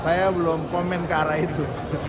saya belum komen ke arah itu